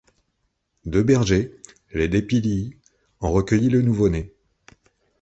Deux bergers, les Depidii, ont recueilli le nouveau-né.